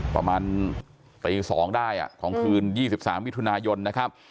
ประมาณตี๒ได้ของคืน๒๓มิถุนายนนะครับ